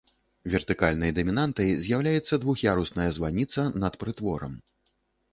Вертыкальнай дамінантай з'яўляецца двух'ярусная званіца над прытворам.